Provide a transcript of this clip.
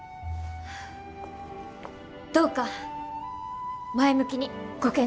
どうか前向きにご検討ください。